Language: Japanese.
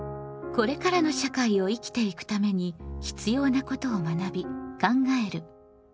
これからの社会を生きていくために必要なことを学び考える「公共」。